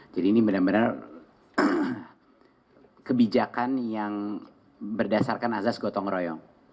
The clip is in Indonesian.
jadi ini benar benar kebijakan yang berdasarkan azaz gotong royong